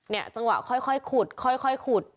จังหวะค่อยขุดค่อยขุด